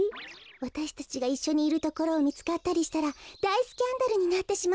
わたしたちがいっしょにいるところをみつかったりしたらだいスキャンダルになってしまうわね。